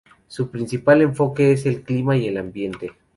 Su principal enfoque es el clima y el ambiente.